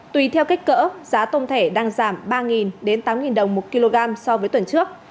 tùy theo kích cỡ giá tôm thể đang giảm ba tám đồng một kg so với tuần trước